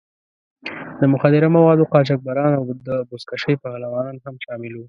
د مخدره موادو قاچاقبران او د بزکشۍ پهلوانان هم شامل وو.